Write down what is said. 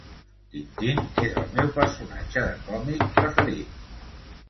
Tintín és el meu personatge de còmic preferit.